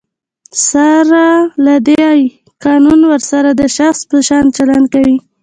سره له دی، قانون ورسره د شخص په شان چلند کوي.